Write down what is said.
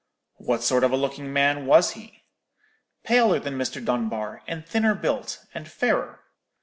"'What sort of a looking man was he?' "'Paler than Mr. Dunbar, and thinner built, and fairer.'